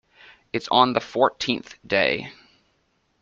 It's on the fourteenth day.